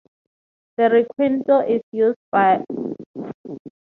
The "requinto" is used in conjunto jarocho ensembles.